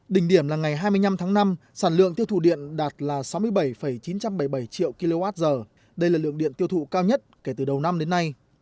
đỉnh điểm là ngày hai mươi năm tháng năm sản lượng tiêu thụ điện đạt là sáu mươi bảy chín trăm bảy mươi bảy triệu kwh đây là lượng điện tiêu thụ cao nhất kể từ đầu năm đến nay